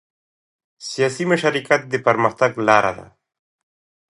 سیاسي مشارکت د پرمختګ لاره ده